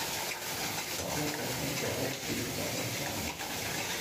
Warum kauft man überhaupt stilles Wasser in Flaschen?